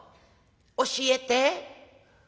教えて」。